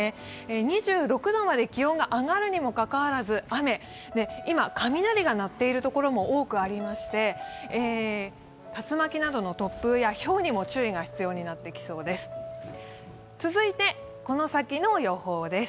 ２６度まで気温が上がるにもかかわらず雨、今、雷が鳴っている所も多くありまして竜巻などの突風や、ひょうにも注意が必要になってきそうです。